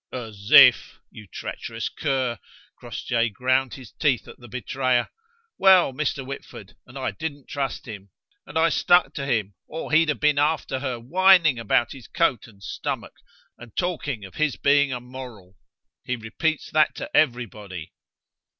"As if! you treacherous cur!" Crossjay ground his teeth at the betrayer. "Well, Mr. Whitford, and I didn't trust him, and I stuck to him, or he'd have been after her whining about his coat and stomach, and talking of his being a moral. He repeats that to everybody."